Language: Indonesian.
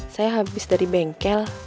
saya habis dari bengkel